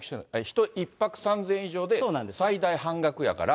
１泊３０００円以上で最大半額やから。